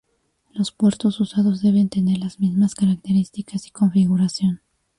Los puertos usados deben tener las mismas características y configuración.